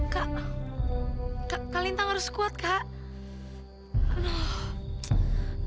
kak kak lintang harus kuat kak